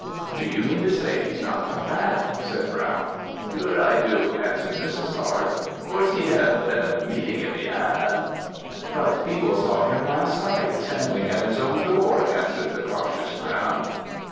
"'Do you mean to say he's not come back!' said Brown. "'Sure, I do,' answered Mrs. R. 'Of course, he'd have been at the meeting if he had.' "'But people saw him last night, standing at his own door,' answered the cautious Brown.